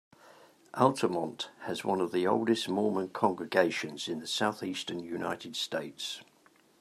Altamont has one of the oldest Mormon congregations in the southeastern United States.